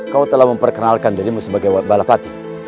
kau telah memperkenalkan dirimu sebagai balapati